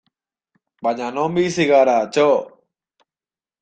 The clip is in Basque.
Baina non bizi gara, txo!